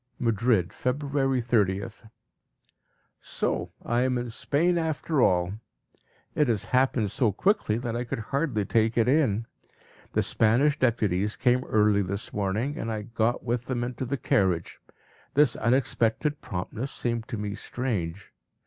Madrid, February 30th. So I am in Spain after all! It has happened so quickly that I could hardly take it in. The Spanish deputies came early this morning, and I got with them into the carriage. This unexpected promptness seemed to me strange.